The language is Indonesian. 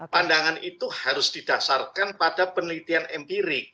pandangan itu harus didasarkan pada penelitian empirik